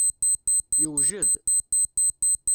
Yewjed.